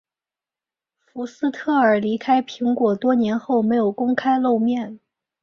福斯特尔离开苹果多年后没有公开露面。